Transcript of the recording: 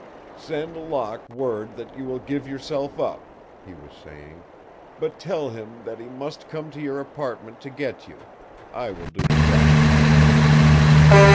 "Send Locke word that you will give yourself up," he was saying, "but tell him that he must come to your apartment to get you. I will do the rest."